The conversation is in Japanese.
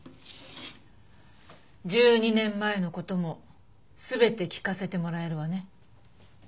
１２年前の事も全て聞かせてもらえるわね？